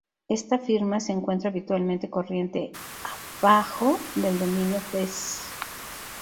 Esta "firma" se encuentra habitualmente "corriente ab ajo" del dominio Fz.